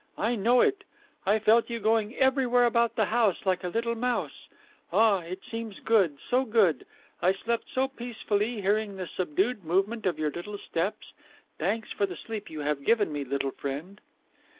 I know it. I felt you going everywhere about the house like a little mouse. Ah, it seems good, so good. I slept so peacefully, hearing the subdued movement of your little steps. Thanks for the sleep you have given me, little friend."